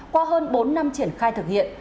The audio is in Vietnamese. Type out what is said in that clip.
qua hơn bốn năm triển khai thực hiện